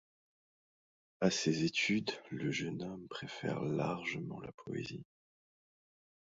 À ses études le jeune homme préfère largement la poésie.